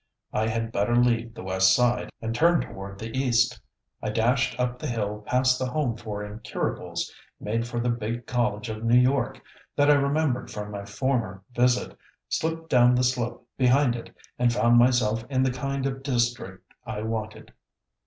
I had better leave the west side, and turn toward the east. I dashed up the hill past the Home for Incurables, made for the big College of New York that I remembered from my former visit, slipped down the slope behind it, and found myself in the kind of district I wanted.